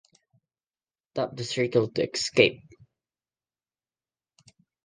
Tap the circle to escape.